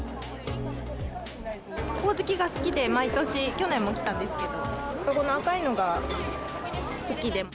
ほおずきが好きで、毎年、去年も来たんですけど、ここの赤いのが好きで。